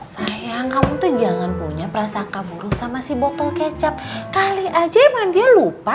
sayang kamu tuh jangan punya prasangka buru sama si botol kecap kali aja emang dia lupa